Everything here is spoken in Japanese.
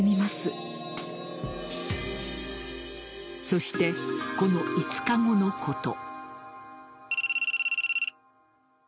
そして、この５日後のこと。